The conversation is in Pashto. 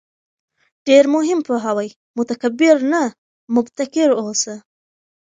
ډېر مهم پوهاوی: متکبِّر نه، مُبتَکِر اوسه